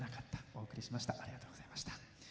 お送りしました。